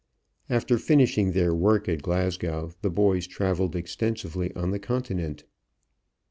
After finishing their work at Glasgow the boys traveled extensively on the Continent.